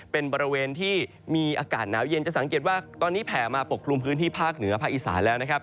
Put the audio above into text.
เป็นบริเวณที่มีอากาศหนาวเย็นจะสังเกตว่าตอนนี้แผ่มาปกคลุมพื้นที่ภาคเหนือภาคอีสานแล้วนะครับ